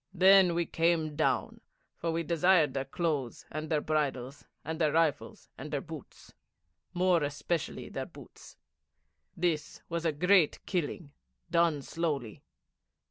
Then we came down, for we desired their clothes, and their bridles, and their rifles, and their boots more especially their boots. That was a great killing done slowly.'